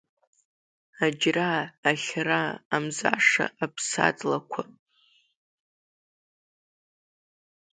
Аџьра, ахьара, амзаша-аԥсаҵлақәа.